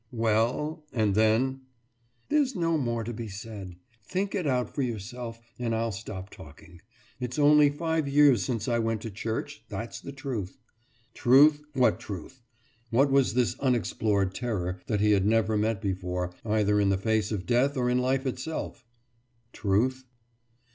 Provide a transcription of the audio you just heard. « »Well, and then?« »There's no more to be said. Think it out for yourself, and I'll stop talking. It's only five years since I went to church. That's the truth.« Truth? What truth? What was this unexplored terror, that he had never met before either in the face of death or in life itself? Truth?